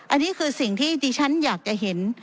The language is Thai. อันนี้คือสิ่งที่ดิฉันอยากจะเห็น